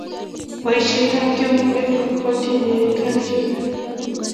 boishetap eunek kotinyei kelchin